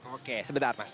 oke sebentar mas